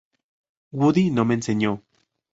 Woody no me enseñó.